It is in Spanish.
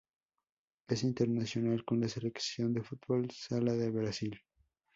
Es internacional con la Selección de fútbol sala de Brasil.